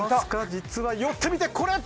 実は寄ってみて、これ！